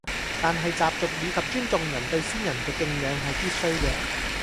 但係習俗以及尊重人對先人嘅敬仰係必須嘅